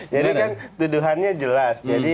jadi kan tuduhannya jelas